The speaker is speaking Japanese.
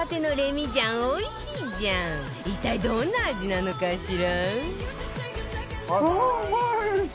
一体どんな味なのかしら？